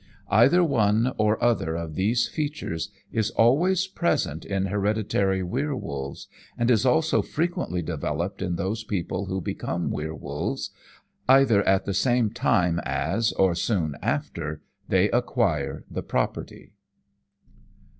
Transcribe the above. Either one or other of these features is always present in hereditary werwolves, and is also frequently developed in those people who become werwolves, either at the same time as or soon after they acquire the property.